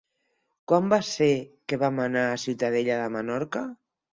Quan va ser que vam anar a Ciutadella de Menorca?